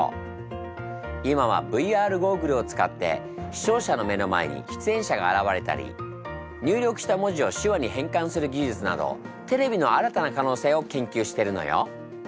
今はＶＲゴーグルを使って視聴者の目の前に出演者が現れたり入力した文字を手話に変換する技術などテレビの新たな可能性を研究してるのよ。